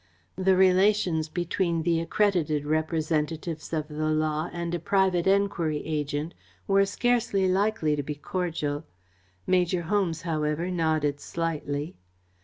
The relations between the accredited representatives of the law and a private enquiry agent were scarcely likely to be cordial. Major Holmes, however, nodded slightly.